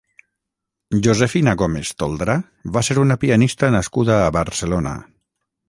Josefina Gómez Toldrá va ser una pianista nascuda a Barcelona.